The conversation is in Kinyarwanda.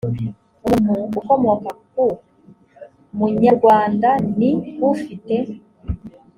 umuntu ukomoka ku munyarwanda ni ufite